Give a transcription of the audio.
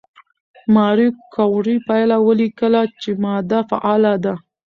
ماري کوري پایله ولیکله چې ماده فعاله ده.